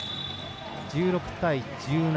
１６対１７。